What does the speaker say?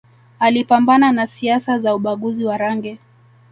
Alipambana na siasa za ubaguzi wa rangi